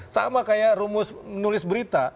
sama kayak rumus menulis berita